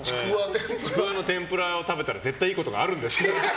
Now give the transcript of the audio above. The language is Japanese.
ちくわの天ぷらを食べたら絶対いいことがあるんだよ。